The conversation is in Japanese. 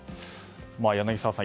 柳澤さん